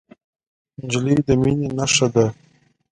نجلۍ د مینې نښه ده.